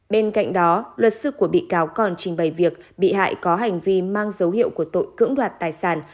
bên cạnh đó luật sư của bị cáo còn trình bày việc bị hại có hành vi mang dấu hiệu của tội cưỡng đoạt tài sản